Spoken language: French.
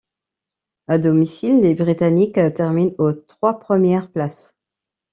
À domicile, les britanniques terminent aux trois premières places.